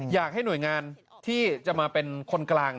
อยากให้หน่วยงานที่จะมาเป็นคนกลาง